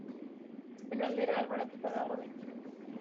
Eskuin aldera alboratua dago beti.